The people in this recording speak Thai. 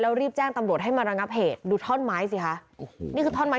รีบแจ้งตำรวจให้มาระงับเหตุดูท่อนไม้สิคะโอ้โหนี่คือท่อนไม้